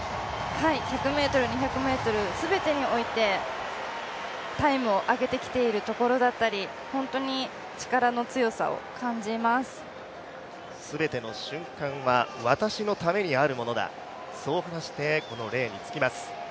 １００ｍ、２００ｍ全てにおいてタイムを上げてきてるところだったり全ての瞬間は私のためにあるものだ、そう話してこのレーンにつきます。